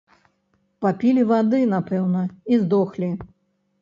Папілі вады, напэўна, і здохлі.